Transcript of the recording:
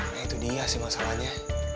nah itu dia sih masalahnya